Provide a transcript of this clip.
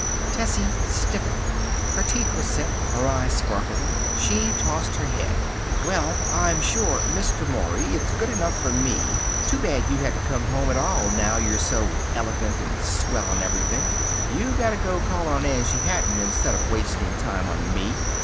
Tessie stiffened. Her teeth were set, her eyes sparkled. She tossed her head. "Well, I'm sure, Mr. Mory, it's good enough for me. Too bad you had to come home at all now you're so elegant and swell, and everything. You better go call on Angie Hatton instead of wasting time on me.